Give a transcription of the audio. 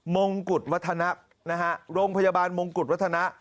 มงกุฎวัฒนะนะฮะโรงพยาบาลมงกุฎวัฒนะ